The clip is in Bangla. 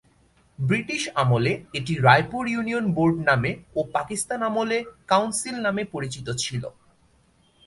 ব্রিটিশ আমলে এটি রায়পুর ইউনিয়ন বোর্ড নামে ও পাকিস্তান আমলে কাউন্সিল নামে পরিচিত ছিল।